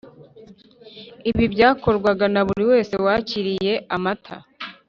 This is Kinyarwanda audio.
ibi byakorwaga na buri wese wakiriye amata